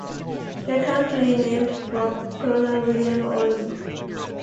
The county is named for Colonel William Oldham.